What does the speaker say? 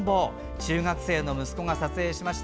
中学生の息子が撮影しました。